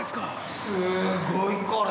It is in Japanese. ◆すごいこれ。